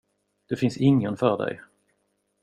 Det finns ingen för dig.